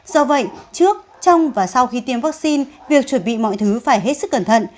do vậy trước trong và sau khi tiêm vaccine việc chuẩn bị mọi thứ phải hết sức cẩn thận